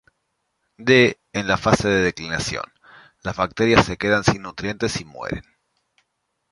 D. En la fase de declinación, las bacterias se quedan sin nutrientes y mueren.